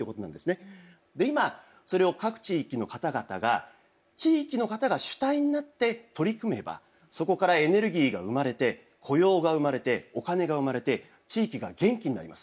今それを各地域の方々が地域の方が主体になって取り組めばそこからエネルギーが生まれて雇用が生まれてお金が生まれて地域が元気になります。